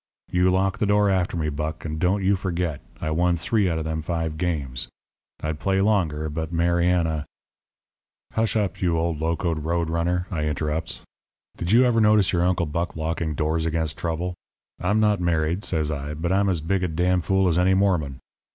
You lock the door after me, Buck. And don't you forget I won three out of them five games. I'd play longer, but Mariana ' "'Hush up, you old locoed road runner,' I interrupts. 'Did you ever notice your Uncle Buck locking doors against trouble? I'm not married,' says I, 'but I'm as big a d n fool as any Mormon.